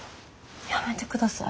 やめてください。